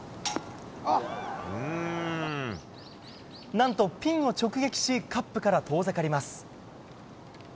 何とピンを直撃しカップから遠ざかります。